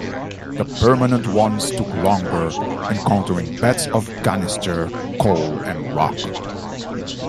The permanent ones took longer, encountering beds of ganister, coal and rock.